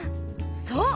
そう！